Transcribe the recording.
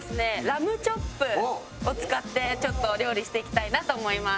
ラムチョップを使ってちょっとお料理していきたいなと思います。